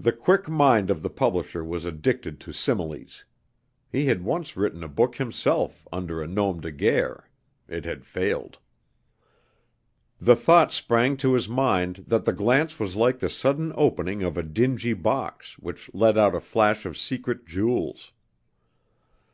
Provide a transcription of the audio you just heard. The quick mind of the publisher was addicted to similes. (He had once written a book himself, under a nom de guerre. It had failed.) The thought sprang to his mind that the glance was like the sudden opening of a dingy box, which let out a flash of secret jewels.